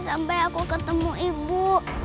sampai aku ketemu ibu